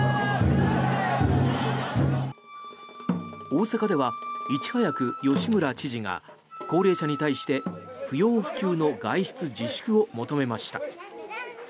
大阪では、いち早く吉村知事が高齢者に対して不要不急の外出自粛を求めました。